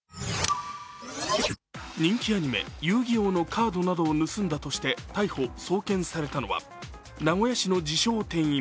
人気アニメ「遊☆戯☆王」のカードなどを盗んだとして逮捕・送検されたのは名古屋市の自称・店員